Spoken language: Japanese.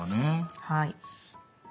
はい。